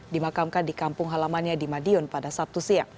dimakamkan di kampung halamannya di madiun pada sabtu siang